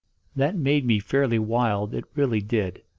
"That made me fairly wild it really did.